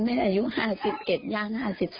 อายุ๕๑ย่าง๕๒